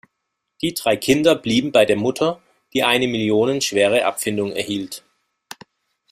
Die drei Kinder blieben bei der Mutter, die eine millionenschwere Abfindung erhielt.